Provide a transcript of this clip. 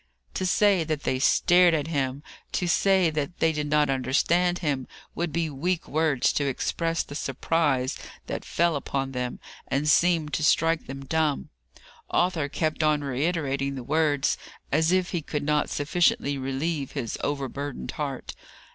To say that they stared at him to say that they did not understand him would be weak words to express the surprise that fell upon them, and seemed to strike them dumb. Arthur kept on reiterating the words, as if he could not sufficiently relieve his overburdened heart.